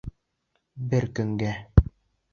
Бер көнгә!